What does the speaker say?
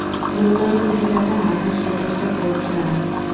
গুরুতর কিছু যাতে না হয়, সে চেষ্টা করেছিলাম।